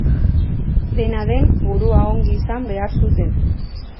Dena den, burua ongi izan behar zuten.